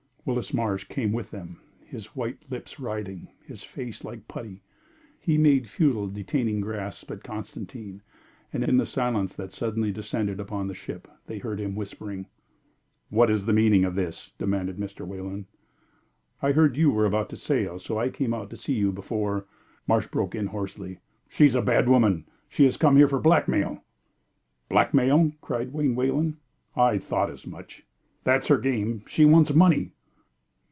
Willis Marsh came with them, his white lips writhing, his face like putty. He made futile detaining grasps at Constantine, and in the silence that suddenly descended upon the ship, they heard him whispering. "What is the meaning of this?" demanded Mr. Wayland. "I heard you were about to sail, so I came out to see you before " Marsh broke in, hoarsely: "She's a bad woman! She has come here for blackmail!" "Blackmail!" cried Wayne Wayland. "I thought as much!" "That's her game. She wants money!"